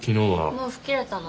もう吹っ切れたの？